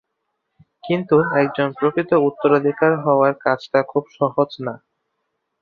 কিন্তু, একজন প্রকৃত উত্তরাধিকার হওয়ার কাজটাও খুব সহজ না।